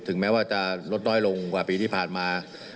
แม้ว่าจะลดน้อยลงกว่าปีที่ผ่านมา